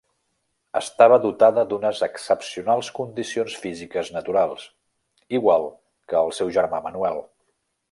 Estava dotada d'unes excepcionals condicions físiques naturals, igual que el seu germà Manuel.